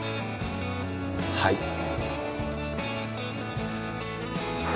はい！